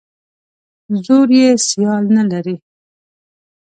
زور یې سیال نه لري.